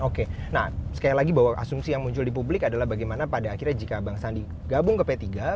oke nah sekali lagi bahwa asumsi yang muncul di publik adalah bagaimana pada akhirnya jika bang sandi gabung ke p tiga